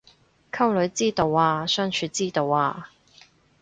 溝女之道啊相處之道啊